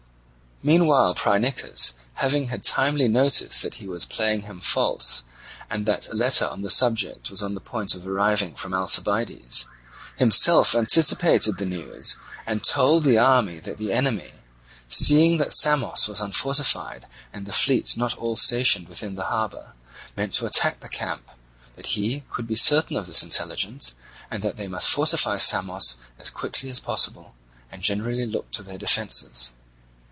Meanwhile Phrynichus having had timely notice that he was playing him false, and that a letter on the subject was on the point of arriving from Alcibiades, himself anticipated the news, and told the army that the enemy, seeing that Samos was unfortified and the fleet not all stationed within the harbour, meant to attack the camp, that he could be certain of this intelligence, and that they must fortify Samos as quickly as possible, and generally look to their defences.